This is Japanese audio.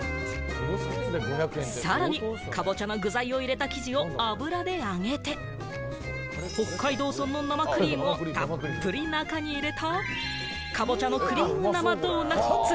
さらに、かぼちゃの具材を入れた生地を油で揚げて、北海道産の生クリームをたっぷり中に入れた、カボチャのクリーム生ドーナツ。